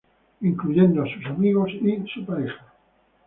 Incluyendo a sus amigos y su pareja.